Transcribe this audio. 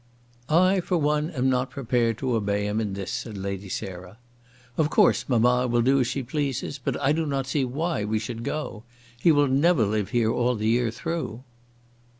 "I for one am not prepared to obey him in this," said Lady Sarah. "Of course mamma will do as she pleases, but I do not see why we should go. He will never live here all the year through."